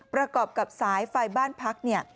ประกอบกับสายไฟบ้านพัก